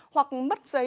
hoặc mất giấy trị